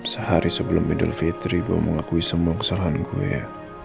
sehari sebelum middle fitri gue mau ngakui semua kesalahan gue ya